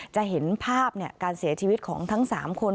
จะเห็นภาพเนี่ยการเสียชีวิตของทั้งสามคน